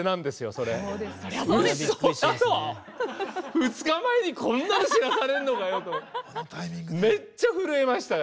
２日前にこんなの知らされんのかよと思ってめっちゃ震えましたよ。